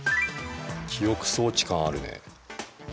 記憶装置感あるね。